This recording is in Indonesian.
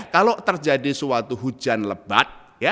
kalau terjadi suatu hujan lebat